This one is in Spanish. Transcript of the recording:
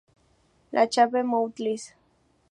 La Chapelle-Moutils